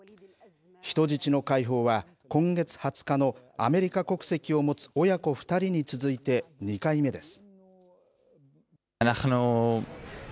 人質の解放は、今月２０日のアメリカ国籍を持つ親子２人に続いて２回目です。